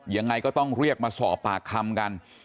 ยังไงก็ต้องเรียกมาสอบปากคำกัน